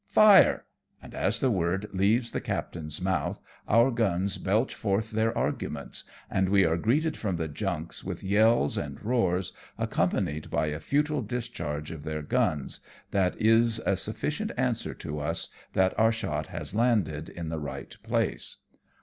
" Fire !" and as the word leaves the captain's mouth, our guns belch forth their arguments, and we are greeted from the junks with yells and roars, accom panied by a futile discharge of their guns, that is a 32 AMONG TYPHOONS AND PIRATE CRAFT. sufficient answer to us that our shot has landed in the right place.